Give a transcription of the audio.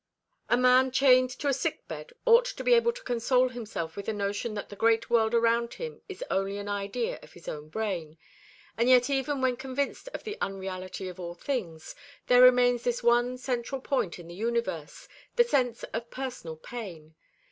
"A man chained to a sick bed ought to be able to console himself with the notion that the great world around him is only an idea of his own brain; and yet even when convinced of the unreality of all things, there remains this one central point in the universe, the sense of personal pain.